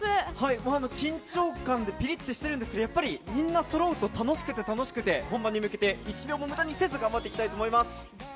もう緊張感でぴりっとしてるんですけど、やっぱりみんな、そろうと楽しくて楽しくて、本番に向けて、一秒もむだにせずに頑張っていきたいと思います。